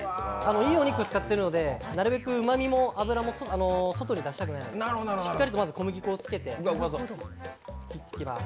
いいお肉を使っているので、なるべくうまみを外に出したくないので、しっかりと小麦粉をつけていきます。